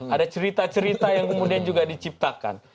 ada cerita cerita yang kemudian juga diciptakan